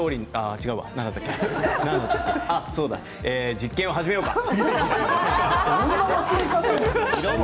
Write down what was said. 実験を始めようか。